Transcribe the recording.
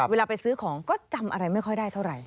เวลาไปซื้อของก็จำอะไรไม่ค่อยได้เท่าไหร